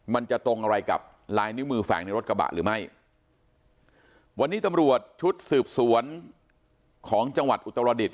มันจะตรงอะไรกับลายนิ้วมือแฝงในรถกระบะหรือไม่วันนี้ตำรวจชุดสืบสวนของจังหวัดอุตรดิษฐ